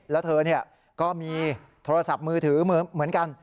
แล้วเธอก็มีโทรศัพท์มือถือเหมือนกัน